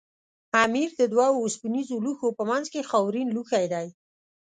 امیر د دوو اوسپنیزو لوښو په منځ کې خاورین لوښی دی.